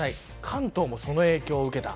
関東もその影響を受けた。